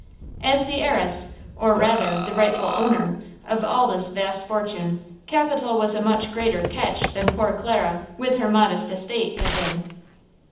As the heiress–or, rather, the rightful owner–of all this vast fortune, Capitola was a much greater "catch" than poor Clara, with her modest estate, had been.